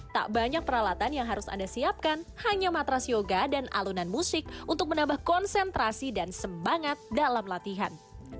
tak banyak peralatan yang harus anda siapkan hanya matras yoga dan alunan musik untuk menambah konsentrasi dan semangat dalam latihan